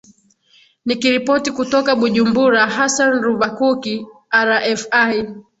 nikiripoti kutoka bujumbura hassan ruvakuki rfi